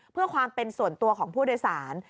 เพื่อความเป็นส่วนตัวของผู้โดยสาร